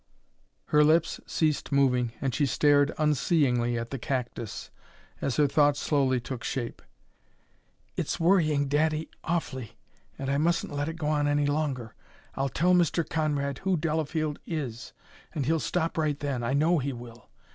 Her lips ceased moving and she stared unseeingly at the cactus, as her thought slowly took shape: "It's worrying daddy awfully, and I mustn't let it go on any longer. I'll tell Mr. Conrad who Delafield is and he'll stop right then I know he will.